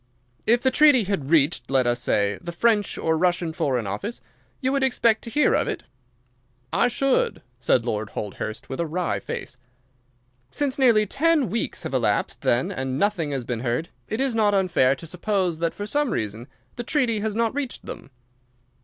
"If the treaty had reached, let us say, the French or Russian Foreign Office, you would expect to hear of it?" "I should," said Lord Holdhurst, with a wry face. "Since nearly ten weeks have elapsed, then, and nothing has been heard, it is not unfair to suppose that for some reason the treaty has not reached them."